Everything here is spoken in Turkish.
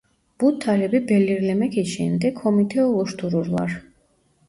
Bu talebi belirlemek için de komite oluştururlar.